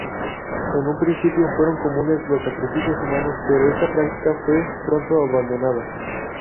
En un principio fueron comunes los sacrificios humanos, pero esta práctica fue pronto abandonada.